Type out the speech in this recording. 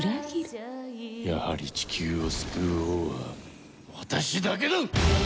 やはりチキューを救う王は私だけだ！